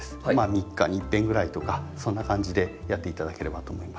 ３日にいっぺんぐらいとかそんな感じでやって頂ければと思います。